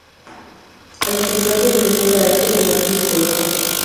A los retratos les dio un carácter y matiz psicológico.